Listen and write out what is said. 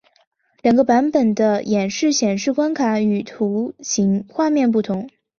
两个版本的演示显示关卡和图形画面不同。